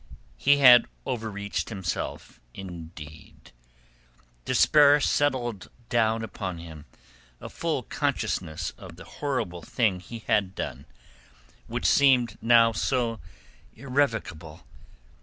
He had overreached himself indeed. Despair settled down upon him, a full consciousness of the horrible thing he had done, which seemed now so irrevocable.